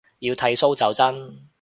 要剃鬚就真